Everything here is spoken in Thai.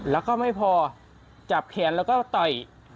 แล้วก็ไม่พอจับแขนแล้วก็ต่อย